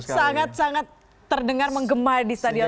sangat sangat terdengar menggemar di stadion sarang